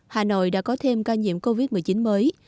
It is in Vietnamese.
hà nội đã có thêm ca nhiễm covid một mươi chín mới